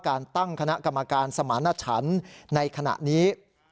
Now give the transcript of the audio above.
การตั้งคณะกรรมการสมารณชันในขณะนี้